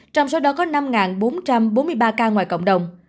trong số đó có năm bốn trăm bốn mươi ba ca ngoài cộng đồng